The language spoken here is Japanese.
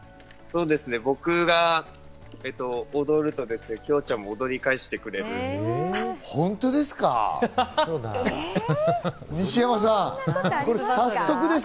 僕が踊るとキョウちゃんも踊りかえしてくれるんです。